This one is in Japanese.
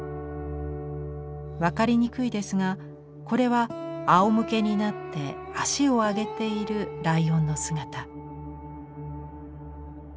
分かりにくいですがこれはあおむけになって足を上げているライオンの姿。